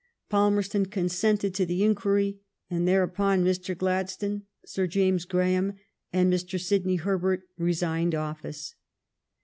Palmerston consented to the inquiry, and there upon Mr. Gladstone, Sir James Graham, and Mr. Sidney Herbert resigned office.